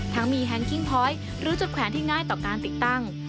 ทั้งมีแฮนคิ้งพอยต์หรือจุดแขวนที่ง่ายต่อการติดตั้ง